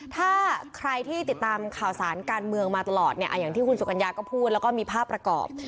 ถ้าใครที่ติดตามข่าวสารการเมืองมาตลอดเนี่ยอย่างที่คุณสุกัญญาก็พูดแล้วก็มีภาพประกอบ